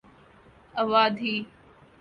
اوادھی